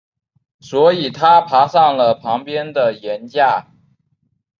所以他爬上了旁边的岩架。